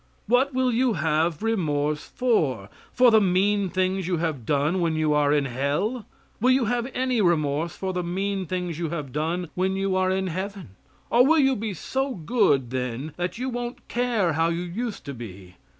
What will you have remorse for? For the mean things you have done when you are in hell? Will you have any remorse for the mean things you have done when you are in heaven? Or will you be so good then that you won't care how you used to be?